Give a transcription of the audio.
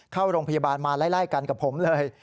เข้าโรงพยาบาลมาไล่กันกับผมเลย